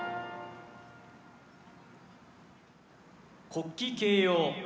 国旗掲揚。